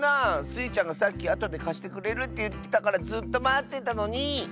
スイちゃんがさっきあとでかしてくれるっていってたからずっとまってたのに！